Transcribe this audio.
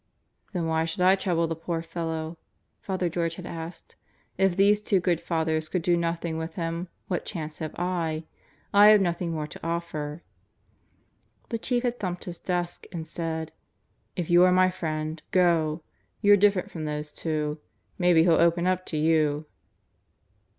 "Then why should I trouble the poor fellow?" Father George had asked. "If these two good Fathers could do nothing with him, what chance have I? I have nothing more to offer." The Chief had thumped his desk and said, "If you are my friend, go. You're different from those two. Maybe he'll open up to you."